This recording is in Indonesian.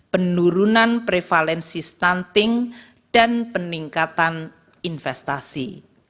penurunan prevalensi stunting dan peningkatan investasi